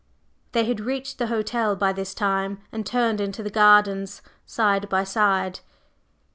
They had reached the hotel by this time, and turned into the gardens side by side.